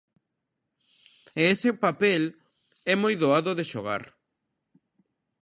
E ese papel é moi doado de xogar.